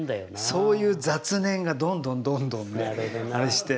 そういう雑念がどんどんどんどんあれして。